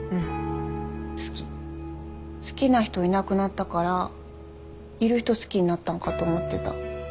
好きな人いなくなったからいる人好きになったのかと思ってた。